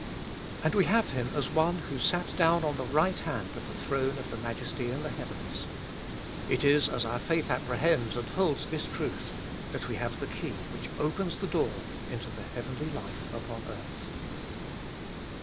And we have Him as one who sat down on the right hand of the throne of the Majesty in the heavens. It is as our faith apprehends and holds this truth that we have the key which opens the door into the heavenly life upon earth.